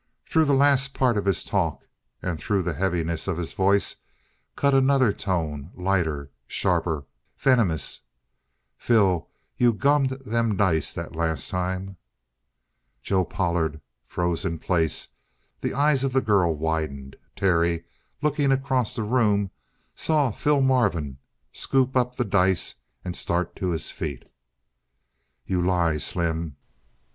Through the last part of his talk, and through the heaviness of his voice, cut another tone, lighter, sharper, venomous: "Phil, you gummed them dice that last time!" Joe Pollard froze in place; the eyes of the girl widened. Terry, looking across the room, saw Phil Marvin scoop up the dice and start to his feet. "You lie, Slim!"